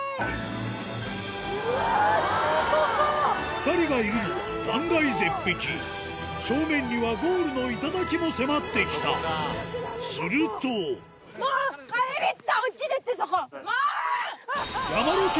２人がいるのは断崖絶壁正面にはゴールの頂も迫ってきたすると山ロケ